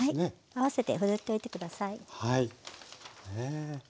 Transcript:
合わせてふるっておいて下さい。